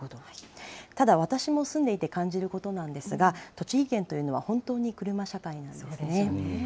ただ私も住んでいて感じることなんですが、栃木県というのは本当に車社会なんですよね。